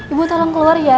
ibu tolong keluar ya